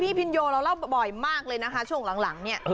พินโยเราเล่าบ่อยมากเลยนะคะช่วงหลังเนี่ย